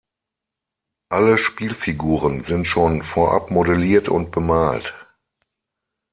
Alle Spielfiguren sind schon vorab modelliert und bemalt.